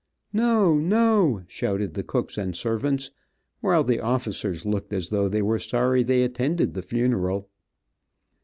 (No! no! shouted the cooks and servants, while the officers looked as though they were sorry they attended the funeral.)